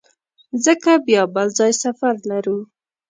ځکه بیا بل ځای سفر لرو.